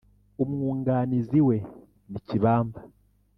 Umwunganizi we ni kibamba